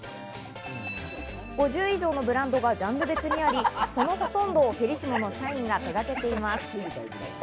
５０以上のブランドがジャンル別にあり、そのほとんどをフェリシモの社員が手がけています。